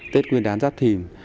tết nguyên đán giáp thìm